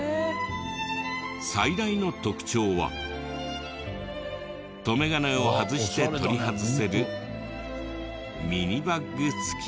最大の特徴は留め金を外して取り外せるミニバッグ付き。